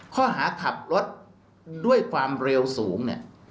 ข้อหาขับรถด้วยความเร็วสูงเนี่ย